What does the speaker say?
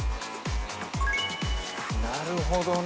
なるほどね。